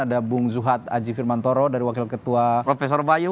ada bung zuhad aji firmantoro dari wakil ketua prof bayu